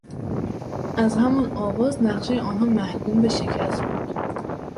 از همان آغاز نقشهی آنها محکوم به شکست بود.